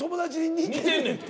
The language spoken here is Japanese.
似てんねんて。